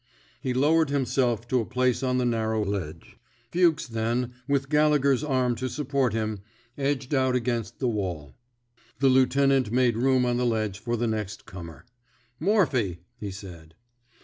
He lowered himself to a place on the nar row ledge. Fuchs, then, with Gallegher's arm to support him, edged out against the wall. The lieutenant made room on the ledge for the next comer. Morphy," he said.